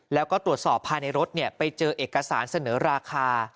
แล้วก็ตรวจสอบภายในรถไปเจอเอกสารเสนอราคา